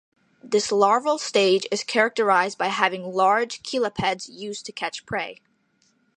This larval stage is characterised by having large chelipeds used to catch prey.